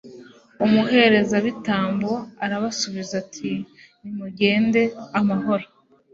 umuherezabitambo arabasubiza ati nimugende amahoro